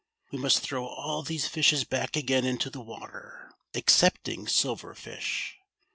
W'e must throw all these fishes back ajain into the water, exceptiiv^ Silver Fish.